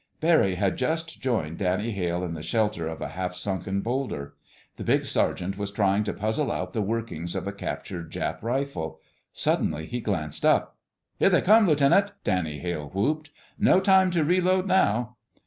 Barry had just joined Danny Hale in the shelter of a half sunken boulder. The big sergeant was trying to puzzle out the workings of a captured Jap rifle. Suddenly he glanced up. "Here they come, Lieutenant!" Danny Hale whooped. "No time to reload now."